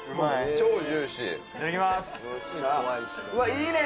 超ジューシーいただきまーすわいいね